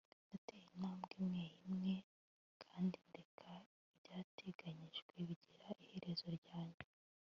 nateye intambwe imwe imwe imwe kandi ndeka ibyateganijwe bigena iherezo ryanjye